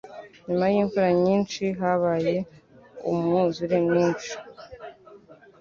Nyuma yimvura nyinshi, habaye umwuzure mwinshi.